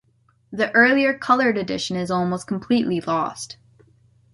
The earlier colored edition is almost completely lost.